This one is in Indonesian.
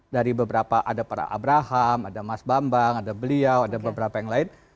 dari beberapa ada para abraham ada mas bambang ada beliau ada beberapa yang lain